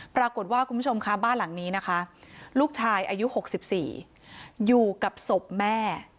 คุณผู้ชมค่ะบ้านหลังนี้นะคะลูกชายอายุ๖๔อยู่กับศพแม่